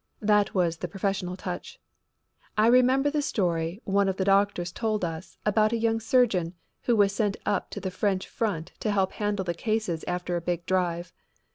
That was the professional touch. I remember the story one of the doctors told us about a young surgeon who was sent up to the French front to help handle the cases after a big drive.